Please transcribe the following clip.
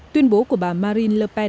tuyên bố của bà marine le pen